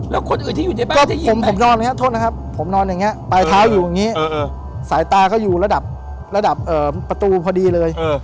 แล้วคนอื่นที่อยู่ในบ้านจะยินไหม